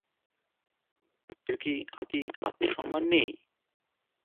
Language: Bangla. আমাদের কি আত্মসম্মান নেই?